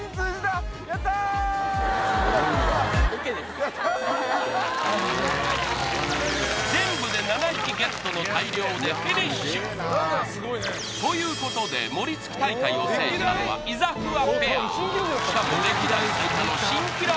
よっしゃ全部で７匹ＧＥＴの大漁でフィニッシュということでモリ突き大会を制したのはイザフワペアしかも歴代最多の新記録